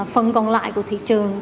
phần còn lại của thị trường